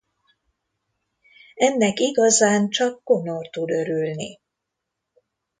Ennek igazán csak Connor tud örülni.